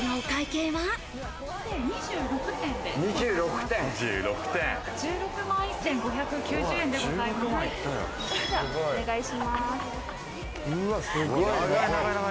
計２６点で１６万１５９０円でございます。